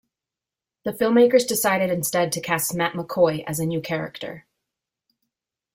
The filmmakers decided instead to cast Matt McCoy as a new character.